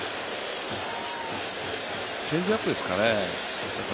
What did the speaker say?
チェンジアップですかね。